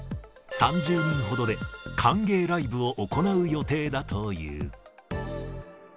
３０人ほどで歓迎ライブを行う予定だという。